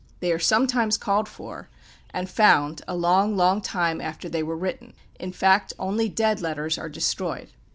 They are sometimes called for, and found, a long, long time after they were written; in fact, only "dead" letters are destroyed.